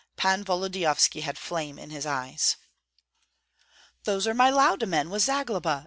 Pan Volodyovski had flame in his eyes. "Those are my Lauda men with Zagloba!